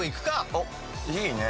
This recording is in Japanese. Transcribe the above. おっいいね。